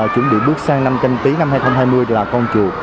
chuẩn bị bước sang năm tranh tí năm hai nghìn hai mươi là con chuột